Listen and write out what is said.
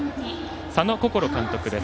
佐野心監督です。